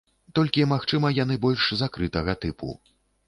Толькі, магчыма, яны больш закрытага тыпу.